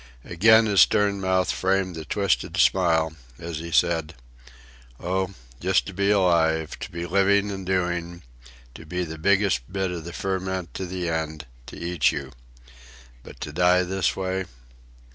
Again his stern mouth framed the twisted smile, as he said: "Oh, just to be alive, to be living and doing, to be the biggest bit of the ferment to the end, to eat you. But to die this way."